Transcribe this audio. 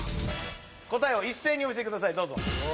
答えを一斉にお見せくださいどうぞ！